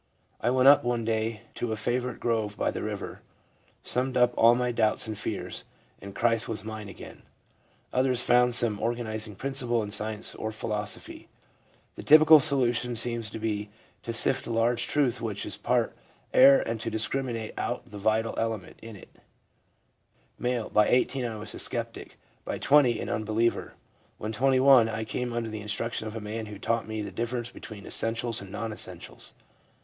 I went one day to a favourite grove by the river, summed up all my doubts and fears, and Christ was mine again/ Others found some organising principle in science or philosophy. The typical solution seems to be to sift a large truth which is part error and to discriminate out the vital element in it, as in the last one above and in this : M. 'By 18 I was a sceptic, by 20 an unbeliever. When 21 I came under the instruction of a man who taught me the differ ence between essentials and non essentials.